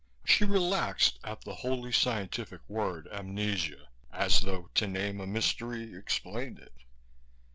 She relaxed at the holy scientific word 'amnesia,' as though to name a mystery explained it.